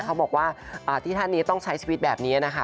เขาบอกว่าที่ท่านนี้ต้องใช้ชีวิตแบบนี้นะคะ